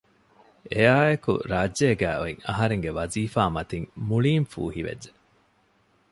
އެއާއެކު ރާއްޖޭގައި އޮތް އަހަރެންގެ ވަޒީފާ މަތިން މުޅީން ފޫހިވެއްޖެ